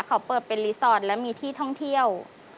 เขาเปิดเป็นรีสอร์ทและมีที่ท่องเที่ยว